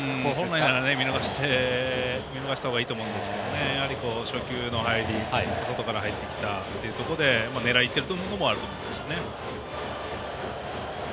本来ならば見逃した方がいいと思うんですがやはり、初球の入り外から入ってきたというところで狙いにいってるところもあると思いますね。